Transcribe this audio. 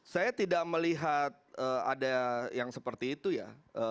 saya tidak melihat ada yang seperti itu ya